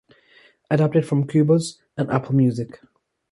Adapted from Qobuz and Apple Music.